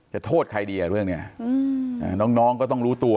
จะโทษใครดีหรือเปล่าน้องของต้องรู้ตัว